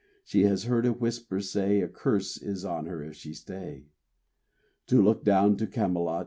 She has heard a whisper say, A curse is on her if she stay To look down to Camelot.